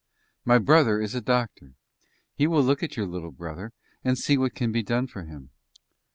My brother is a doctor. He will look at your little brother and see what can be done for him."